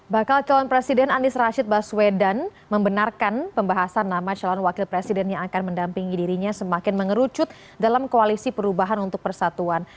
bakal calon presiden anies rashid baswedan membenarkan pembahasan nama calon wakil presiden yang akan mendampingi dirinya semakin mengerucut dalam koalisi perubahan untuk persatuan